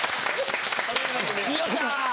よっしゃ！